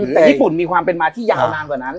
แต่ญี่ปุ่นมีความเป็นมาที่ยาวนานกว่านั้น